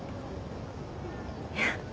いや。